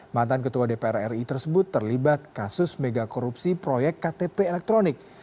mantan ketua dpr ri tersebut terlibat kasus megakorupsi proyek ktp elektronik